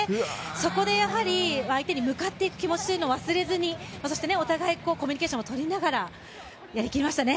そこでやはり相手に向かっていく気持ちというのを忘れずにそしてお互いにコミュニケーションをとりながらやりきりましたね。